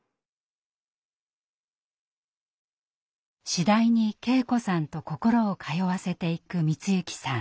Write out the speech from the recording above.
次第に圭子さんと心を通わせていく光行さん。